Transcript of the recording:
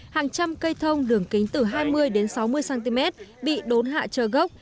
hàng trăm cây thông đường kính từ hai mươi đến sáu mươi cm bị đốn hạ trơ gốc